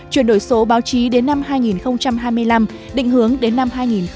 chuyển đổi số báo chí đến năm hai nghìn hai mươi năm định hướng đến năm hai nghìn ba mươi